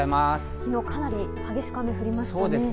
昨日はかなり激しく雨が降りましたね。